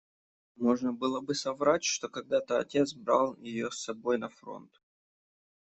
Можно было бы соврать, что когда-то отец брал ее с собой на фронт.